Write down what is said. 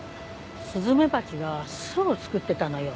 スズメバチが巣をつくってたのよ。